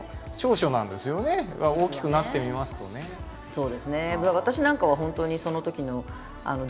そうですね。